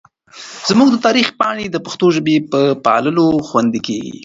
زموږ د تاریخ پاڼې د پښتو ژبې په پاللو خوندي کېږي.